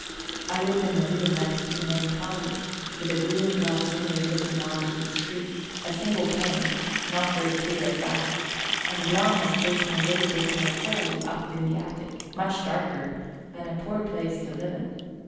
I lived in a room next the main parlor, with a green glass window looking on to the street a single pane, not very clear at that and Glahn had chosen a little bit of a hole up in the attic, much darker, and a poor place to live in.